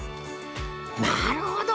なるほど！